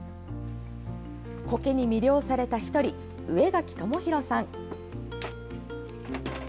コケに魅了された１人、上垣智弘さん。